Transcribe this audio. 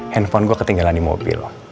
handphone gue ketinggalan di mobil